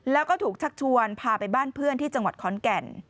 แล้วก็ถูกชักชวนพาไปบ้านเพื่อนที่จังหวัดขอนแก่น